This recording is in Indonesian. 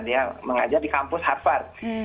dia mengajar di kampus harvard